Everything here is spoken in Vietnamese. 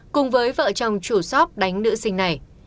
cùng với vợ chồng chủ shop đánh nữ sinh này